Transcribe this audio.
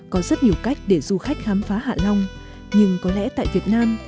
có rất nhiều cách để du khách khám phá hạ long nhưng có lẽ tại việt nam